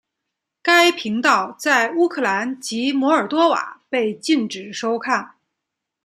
该频道在乌克兰及摩尔多瓦被禁止收看。